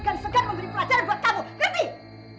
memberi pelajaran buat kamu ngerti